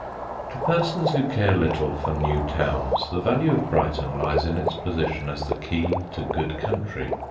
To persons who care little for new towns the value of Brighton lies in its position as the key to good country.